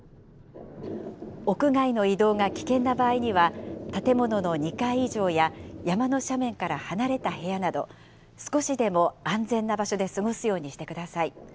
屋外の移動が危険な場合には、建物の２階以上や山の斜面から離れた部屋など、少しでも安全な場所で過ごすようにしてください。